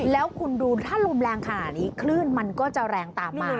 แล้วคุณดูถ้าลมแรงขนาดนี้คลื่นมันก็จะแรงตามมา